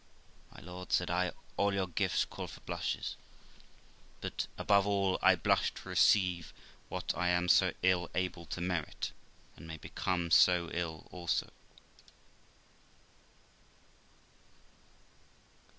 'My lord', said I, 'all your gifts call for blushes, but, above all, I blush to receive what I am so ill able to merit, and may become so ill also.'